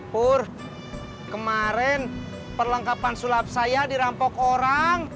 pur kemarin perlengkapan sulap saya dirampok orang